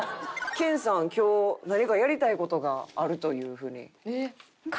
研さん今日何かやりたい事があるというふうに。